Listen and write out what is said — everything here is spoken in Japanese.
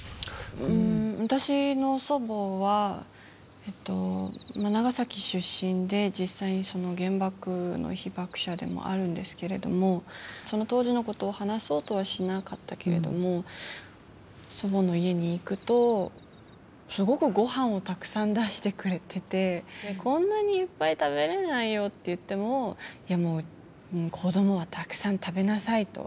私の祖母は長崎出身で実際に原爆の被爆者でもあるんですけれどもその当時のことを話そうとはしなかったけれども祖母の家に行くとすごくごはんをたくさん出してくれてて「こんなにいっぱい食べれないよ」って言っても「いやもう子どもはたくさん食べなさい」と。